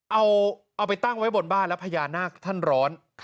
เอาไปตั้งไว้บนบ้านแล้วพญานาคท่านร้อน